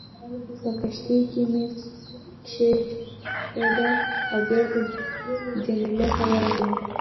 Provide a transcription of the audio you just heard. په کښتۍ کې مې کېښوده او بېرته جميله ته ورغلم.